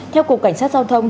theo cục cảnh sát giao thông